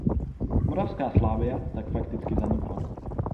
Moravská Slavia tak fakticky zanikla.